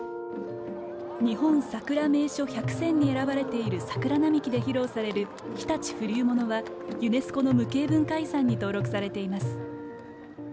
「日本さくら名所１００選」に選ばれている桜並木で披露されている日立風流物はユネスコの無形文化遺産に登録されています。